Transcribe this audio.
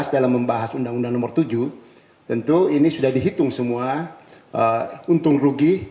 dalam membahas undang undang nomor tujuh tentu ini sudah dihitung semua untung rugi